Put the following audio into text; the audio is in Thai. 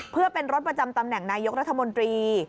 เพื่อเป็นรถประจำตำแหน่งนายกรัฐมนตรี